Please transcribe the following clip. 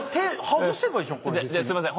すいません。